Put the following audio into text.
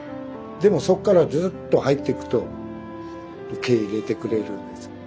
でもそこからずっと入っていくと受け入れてくれるんです。